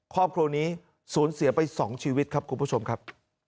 ครอบครัวนี้สูญเสียไป๒ชีวิตครับคุณผู้ชมครับ